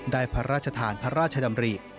พระราชทานพระราชดำริ